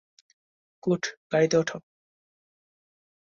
Good, গাড়িতে উঠো।